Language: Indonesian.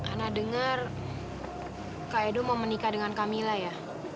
ana dengar kak edo mau menikah dengan kamilah ya